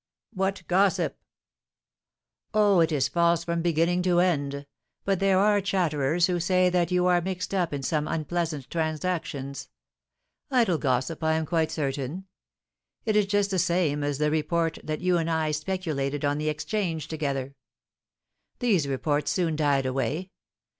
"What gossip?" "Oh, it is false from beginning to end. But there are chatterers who say that you are mixed up in some unpleasant transactions. Idle gossip, I am quite certain. It is just the same as the report that you and I speculated on the Exchange together. These reports soon died away.